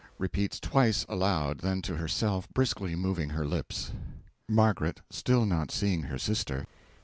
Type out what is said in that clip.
Repeats twice aloud, then to herself, briskly moving her lips.) M. (Still not seeing her sister.)